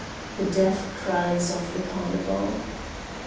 _" the death cries of the carnival.